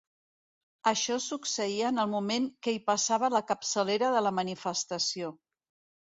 Això succeïa en el moment que hi passava la capçalera de la manifestació.